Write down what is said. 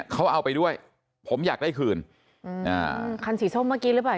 เขาเอาไปด้วยผมอยากได้คืนอืมอ่าคันสีส้มเมื่อกี้หรือเปล่า